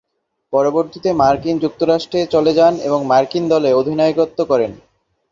পরবর্তীতে মার্কিন যুক্তরাষ্ট্রে চলে যান ও মার্কিন দলে অধিনায়কত্ব করেন।